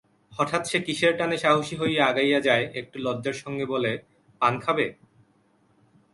হঠাৎ সে কিসের টানে সাহসী হইয়া আগাইয়া যায়-একটু লজ্জার সঙ্গে বলে, পান খাবে?